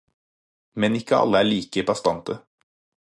Men ikke alle er like bastante.